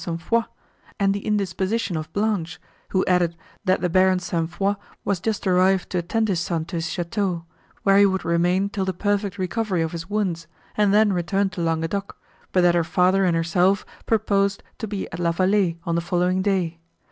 St. Foix, and the indisposition of Blanche, who added, that the Baron St. Foix was just arrived to attend his son to his château, where he would remain till the perfect recovery of his wounds, and then return to Languedoc, but that her father and herself purposed to be at La Vallée, on the following day.